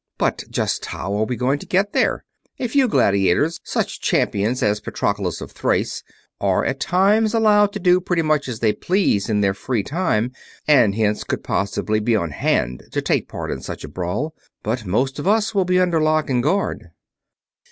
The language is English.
"But just how are we going to get there? A few gladiators such champions as Patroclus of Thrace are at times allowed to do pretty much as they please in their free time, and hence could possibly be on hand to take part in such a brawl, but most of us will be under lock and guard."